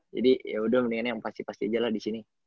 jadi yaudah mendingan yang pasti pasti aja lah disini